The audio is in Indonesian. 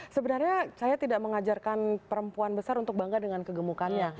sebenarnya saya tidak mengajarkan perempuan besar untuk bangga dengan kegemukannya